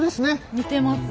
似てます。